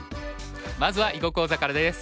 まずは囲碁講座からです。